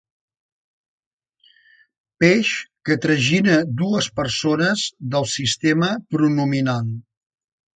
Peix que tragina dues persones del sistema pronominal.